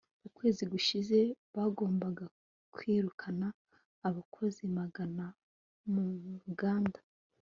ukwezi gushize, bagombaga kwirukana abakozi magana mu ruganda